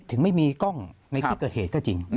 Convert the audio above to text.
ถึงไม่มีกล้องในที่เกิดเหตุก็จริง